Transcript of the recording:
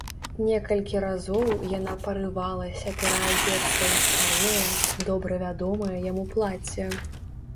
Некалькі разоў яна парывалася пераадзецца ў старое, добра вядомае яму плацце.